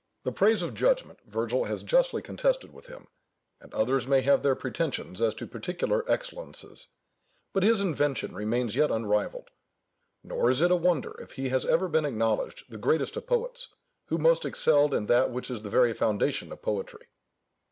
The praise of judgment Virgil has justly contested with him, and others may have their pretensions as to particular excellences; but his invention remains yet unrivalled. Nor is it a wonder if he has ever been acknowledged the greatest of poets, who most excelled in that which is the very foundation of poetry.